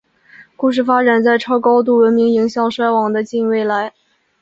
故事发生在超高度文明迎向衰亡的近未来。